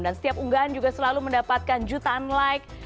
dan setiap unggahan juga selalu mendapatkan jutaan like